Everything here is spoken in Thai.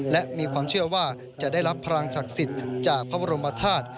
และมีความเชื่อว่าจะได้รับพลังศักดิ์สิทธิ์จากพระบรมธาตุ